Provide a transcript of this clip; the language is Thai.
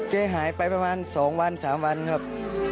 เก้หายไปประมาณสองวันสามวันครับ